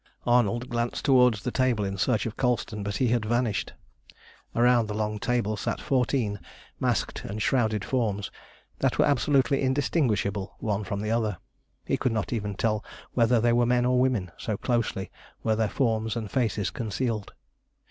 Arnold glanced towards the table in search of Colston, but he had vanished. Around the long table sat fourteen masked and shrouded forms that were absolutely indistinguishable one from the other. He could not even tell whether they were men or women, so closely were their forms and faces concealed.